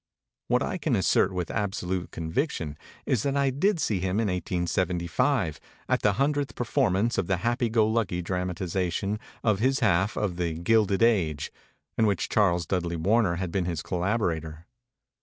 What I can assert with absolute conviction is that I did see him in 1875 at the hundredth performance of the happy go lucky dramatization of his half of the ' Gilded Age/ (in which Charles Dudley Warner had been his collaborator).